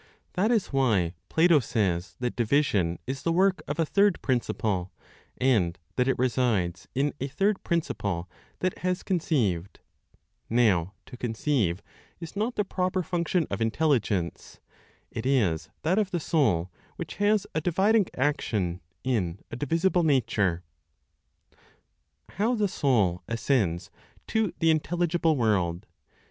That is why Plato says that division is the work of a third principle, and that it resides in a third principle that has conceived; now, to conceive is not the proper function of intelligence; it is that of the Soul which has a dividing action in a divisible nature. HOW THE SOUL ASCENDS TO THE INTELLIGIBLE WORLD.